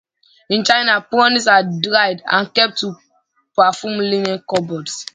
In China, prunings are dried and kept to perfume linen cupboards.